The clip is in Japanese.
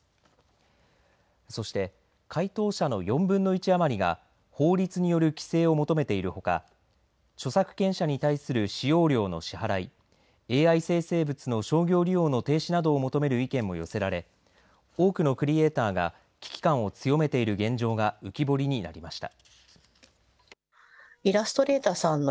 そして回答者の４分の１余りが法律による規制を求めているほか著作権者に対する使用料の支払いＡＩ生成物の商業利用の停止などを求める意見も寄せられ、多くのクリエーターが危機感を強めている現状が浮き彫りになりました。